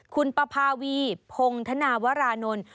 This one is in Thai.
คุณปภาวีพงธนาวรานนท์